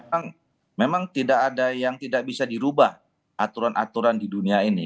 memang tidak ada yang tidak bisa dirubah aturan aturan di dunia ini